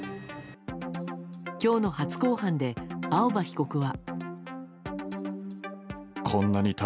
今日の初公判で、青葉被告は。